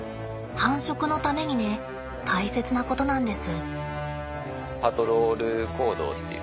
繁殖のためにね大切なことなんです。